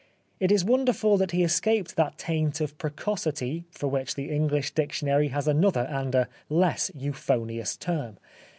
It is wonderful that he escaped that taint of precocity for which the English dictionary has another and a less euphonious term.